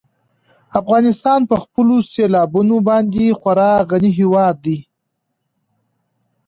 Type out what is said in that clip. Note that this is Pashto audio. افغانستان په خپلو سیلابونو باندې خورا غني هېواد دی.